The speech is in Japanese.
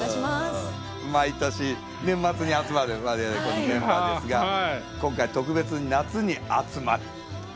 毎年年末に集まる我々このメンバーですが今回特別に夏に集まって。